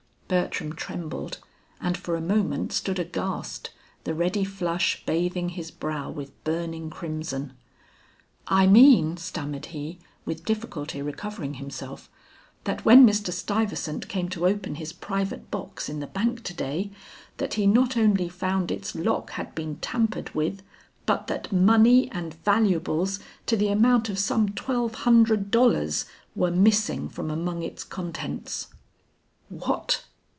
Bertram trembled and for a moment stood aghast, the ready flush bathing his brow with burning crimson. "I mean," stammered he, with difficulty recovering himself, "that when Mr. Stuyvesant came to open his private box in the bank to day, that he not only found its lock had been tampered with, but that money and valuables to the amount of some twelve hundred dollars were missing from among its contents." "What?"